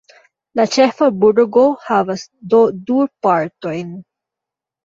La ĉefa burgo havas do du partojn.